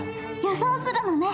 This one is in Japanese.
予想するのね。